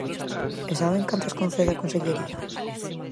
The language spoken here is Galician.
¿E saben cantas concede a Consellería?